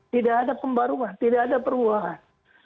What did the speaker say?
tidak ada pembaruan tidak ada perubahan